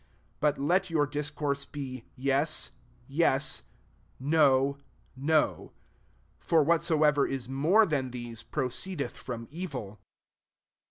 37 But let your discourse be, Yes, yes ; No, no : for whatsoever is more thaa these, proceedeth from evil.